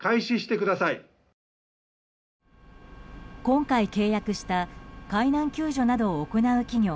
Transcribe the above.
今回、契約した海難救助などを行う企業